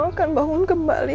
akan bangun kembali